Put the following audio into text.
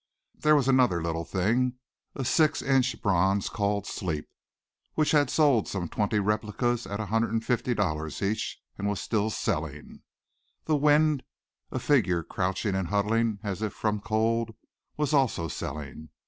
There was another little thing, a six inch bronze called "Sleep," which had sold some twenty replicas at $150 each, and was still selling. "The Wind," a figure crouching and huddling as if from cold, was also selling.